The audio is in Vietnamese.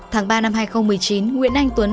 tháng ba năm hai nghìn một mươi chín nguyễn anh tuấn